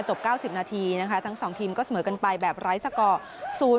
๙๐นาทีนะคะทั้ง๒ทีมก็เสมอกันไปแบบไร้สกอร์๐